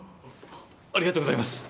ありがとうございます！